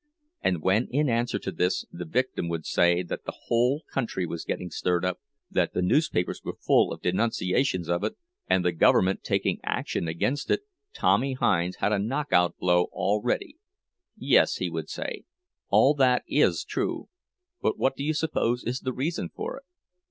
And when, in answer to this, the victim would say that the whole country was getting stirred up, that the newspapers were full of denunciations of it, and the government taking action against it, Tommy Hinds had a knock out blow all ready. "Yes," he would say, "all that is true—but what do you suppose is the reason for it?